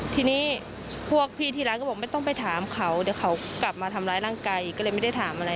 ทีนี้พวกพี่ที่ร้านก็บอกไม่ต้องไปถามเขาเดี๋ยวเขากลับมาทำร้ายร่างกายก็เลยไม่ได้ถามอะไร